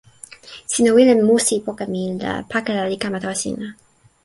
sina wile musi poka mi, la pakala li kama tawa sina.